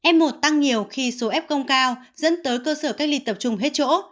f một tăng nhiều khi số f công cao dẫn tới cơ sở cách ly tập trung hết chỗ